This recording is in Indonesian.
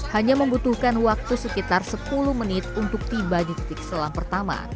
hanya membutuhkan waktu sekitar sepuluh menit untuk tiba di titik selam pertama